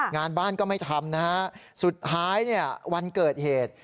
งานบ้านก็ไม่ทำนะฮะสุดท้ายเนี่ยวันเกิดเหตุ